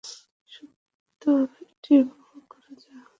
সত্য এটি উপভোগ করা যাক।